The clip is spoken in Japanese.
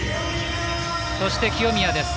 そして清宮です。